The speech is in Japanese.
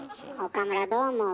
岡村どう思う？